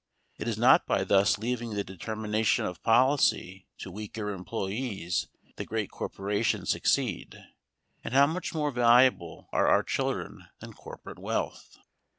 It is not by thus leaving the determination of policy to weaker employees that great corporations succeed. And how much more valuable are our children than corporate wealth!